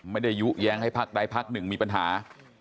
ไม่ได้ยุแย้งให้ภาคใดภาคหนึ่งมีปัญหา